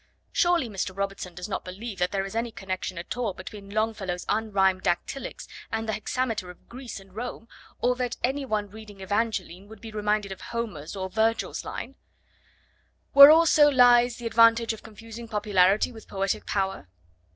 Surely Mr. Robertson does not believe that there is any connection at all between Longfellow's unrhymed dactylics and the hexameter of Greece and Rome, or that any one reading Evangeline would be reminded of Homer's or Virgil's line? Where also lies the advantage of confusing popularity with poetic power?